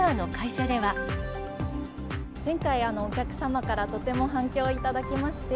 前回、お客様からとても反響をいただきまして。